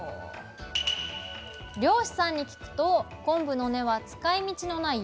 漁師さんに聞くと昆布の根は使いみちのない厄介もの。